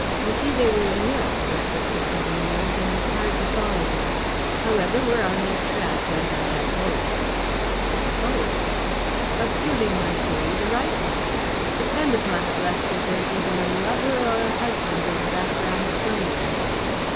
You see, they were in Europe for six or seven years, and it's hard to follow them. However, we're on their track, and I have hopes." "Hopes?" "Of proving my theory the right one. Depend upon it, Lester, there's either a lover or a husband in the background somewhere."